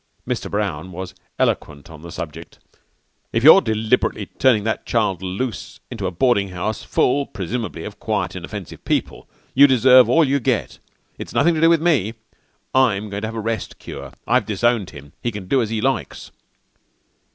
Mr. Brown was eloquent on the subject. "If you're deliberately turning that child loose into a boarding house full, presumably, of quiet, inoffensive people, you deserve all you get. It's nothing to do with me. I'm going to have a rest cure. I've disowned him. He can do as he likes."